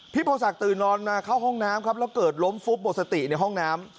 โพศักดินอนมาเข้าห้องน้ำครับแล้วเกิดล้มฟุบหมดสติในห้องน้ำ